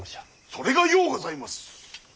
それがようございます！